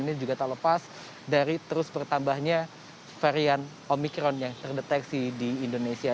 ini juga tak lepas dari terus bertambahnya varian omikron yang terdeteksi di indonesia